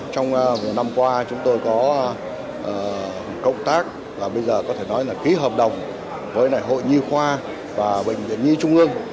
trong năm qua chúng tôi có công tác ký hợp đồng với hội nhi khoa và bệnh viện nhi trung ương